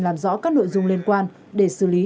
làm rõ các nội dung liên quan để xử lý